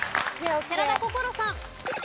寺田心さん。